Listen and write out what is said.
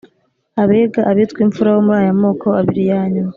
abega, abitwa imfura bo muri aya moko abiri ya nyuma